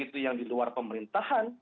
tidak ada yang di luar pemerintahan